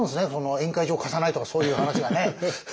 宴会場を貸さないとかそういう話がね。